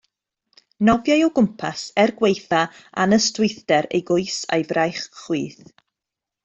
Nofiai o gwmpas er gwaethaf anystwythder ei goes a'i fraich chwith.